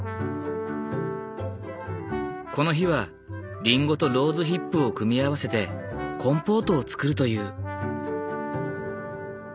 この日はリンゴとローズヒップを組み合わせてコンポートを作るという。